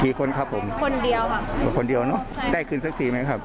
คนครับผมคนเดียวอ่ะคนเดียวเนอะได้คืนสักสี่ไหมครับ